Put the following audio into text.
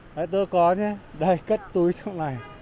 tới tôi có nhé đây cất túi trong này